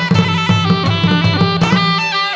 กลับไปด้วย